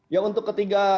ya untuk ketiga